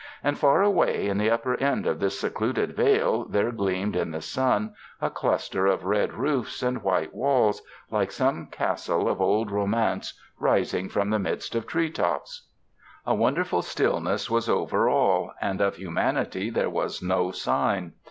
And far away at the upper end of this secluded vale there gleamed in the sun a cluster of red roofs and white walls, like some castle of old ronlance, rising from the midst of tree tops. A wonderful stillness was over all, and of humanity there was no sign.